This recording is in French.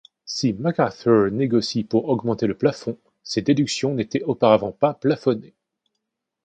Si MacArthur négocie pour augmenter le plafond, ces déductions n'étaient auparavant pas plafonnées.